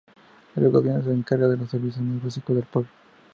El Gobierno se encarga de los servicios más básicos al pueblo.